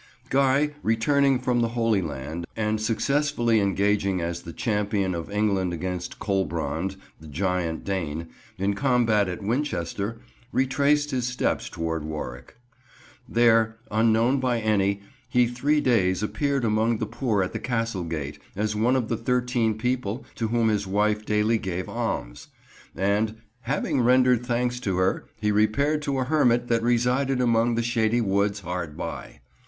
Guy, returning from the Holy Land and successfully engaging as the champion of England against Colbrond, the giant Dane, in combat at Winchester, retraced his steps towards Warwick. There, unknown by any, he three days appeared among the poor at the Castle gate, as one of the thirteen people to whom his wife daily gave alms; and "having rendred thanks to her, he repaired to an Heremite that resided among the shady woods hard by."